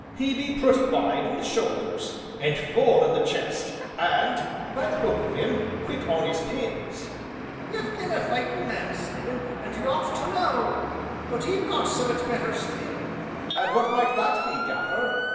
"He be pretty wide in the shoulders, and full in the chest, and, by the look of him, quick on 'is pins." "You've been a fightin' man, Simon, and you ought to know but he've got summat better still." "And what might that be, Gaffer?"